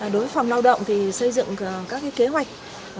đối với phòng lao động thì xây dựng các kế hoạch